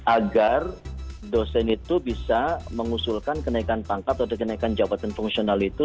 agar dosen itu bisa mengusulkan kenaikan pangkat atau kenaikan jabatan fungsional itu